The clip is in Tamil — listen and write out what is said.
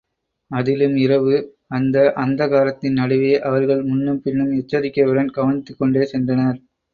அதிலும் இரவு, அந்த அந்தகாரத்தின் நடுவே அவர்கள் முன்னும் பின்னும் எச்சரிக்கையுடன் கவனித்துக்கொண்டே சென்றனர்.